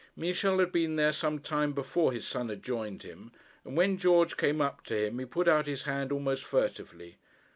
Michel had been there some time before his son had joined him, and when George came up to him he put out his hand almost furtively.